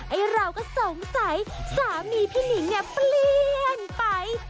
ไอ้เราก็สงสัยสามีพี่หนิงเนี่ยเปลี่ยนไป